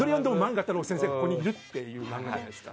画太郎先生がここにいるという漫画家じゃないですか。